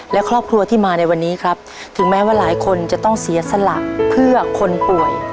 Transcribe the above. และครอบครัวที่มาในวันนี้ครับถึงแม้ว่าหลายคนจะต้องเสียสละเพื่อคนป่วย